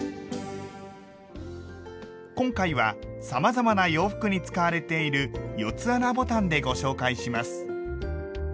今回はさまざまな洋服に使われている４つ穴ボタンでご紹介します。